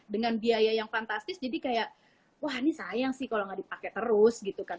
dengan biaya yang fantastis jadi kayak wah ini sayang sih kalau nggak dipakai terus gitu kan